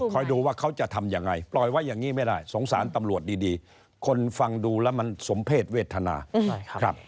ดูว่าเขาจะทำยังไงปล่อยไว้อย่างนี้ไม่ได้สงสารตำรวจดีคนฟังดูแล้วมันสมเพศเวทนาใช่ครับ